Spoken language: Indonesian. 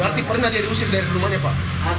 berarti pernah dia diusir dari rumahnya pak